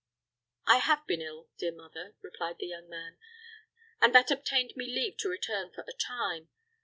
"I have been ill, dear mother," replied the young man; "and that obtained me leave to return for a time.